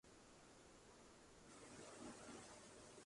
I am impressed with the amount of inside information collected here.